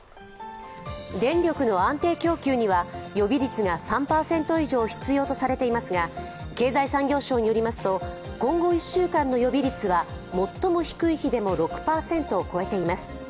電力の安定供給には予備率が３％以上必要とされていますが、経済産業省によりますと、今後１週間の予備率は最も低い日でも６％を超えています